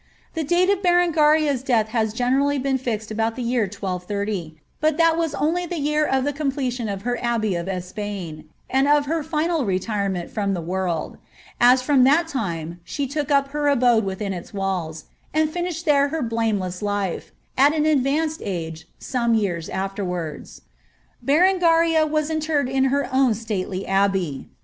The date of Berengaria's death has generally been fixed about the year 1230 ; but that was only the year of the completion of her abbey of Espan, and of her final retirement from the world ; as from that time she took up her abode within its walls, and finished there her blameless life, at an advanced age, some years afterwards. Berengaria was interred in her own stately abbey.